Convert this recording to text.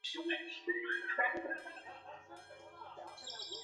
北婆罗洲在入境与出境事务中有保留权。